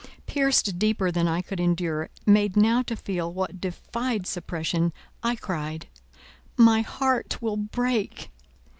Pierced deeper than I could endure, made now to feel what defied suppression, I cried— "My heart will break!"